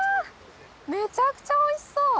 めちゃくちゃおいしそう。